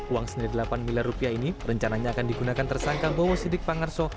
uang senilai delapan miliar rupiah ini rencananya akan digunakan tersangka bowo sidik pangarso